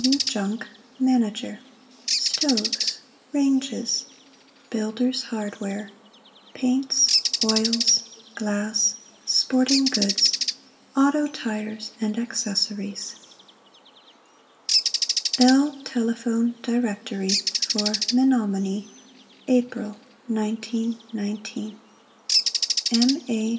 W. JUNGCK, Mgp. STOVES RANGES BUILDERS' HARDWARE PAINTS, OILS, GLASS SPORTING GOODS AUTO TIRES & ACCESSORIES Bell Telephone Directory FOR MENOMONIE APRIL, 1919 M. A.